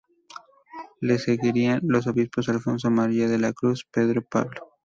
Le seguirían los obispos Alfonso María de la Cruz, Pedro Pablo.